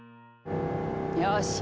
よし！